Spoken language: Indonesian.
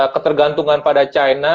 ketergantungan pada china